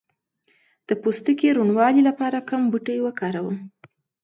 د پوستکي روڼوالي لپاره کوم بوټی وکاروم؟